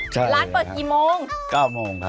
ร้านเปิดกี่โมง๙โมงค่ะ